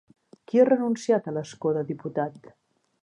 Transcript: Qui ha renunciat a l'escó de diputat?